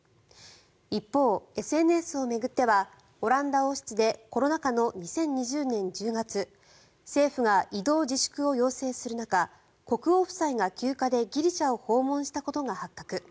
一方、ＳＮＳを巡ってはオランダ王室でコロナ禍の２０２０年１０月政府が移動自粛を要請する中国王夫妻が休暇でギリシャを訪問したことが発覚。